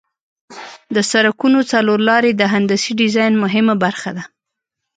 د سرکونو څلور لارې د هندسي ډیزاین مهمه برخه ده